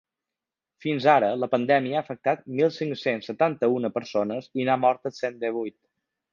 Fins ara la pandèmia ha afectat mil cinc-cents setanta-una persones i n’ha mortes cent divuit.